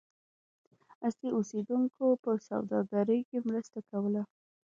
اصلي اوسیدونکو په سوداګرۍ کې مرسته کوله.